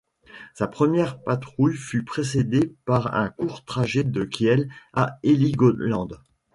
Sa première patrouille fut précédé par un court trajet de Kiel à Heligoland.